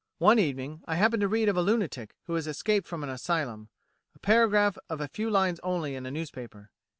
One evening I happen to read of a lunatic who has escaped from an asylum a paragraph of a few lines only in a newspaper.